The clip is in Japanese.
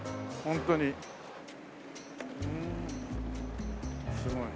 ふんすごい。